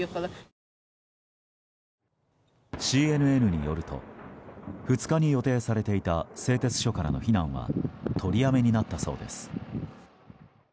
ＣＮＮによると２日に予定されていた製鉄所からの避難は取りやめになったそうです。